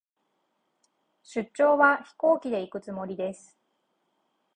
出張は、飛行機で行くつもりです。